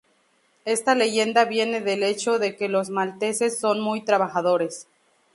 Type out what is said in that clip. Esta leyenda viene del hecho de que los malteses son muy trabajadores.